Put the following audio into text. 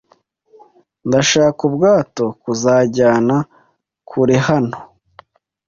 Ndashaka ubwato buzanjyana kure hano